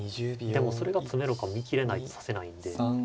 でもそれが詰めろか見切れないと指せないんで。